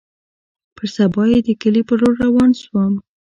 پر سبا يې د کلي په لور روان سوم.